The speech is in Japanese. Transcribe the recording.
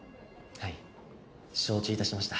はい承知いたしました。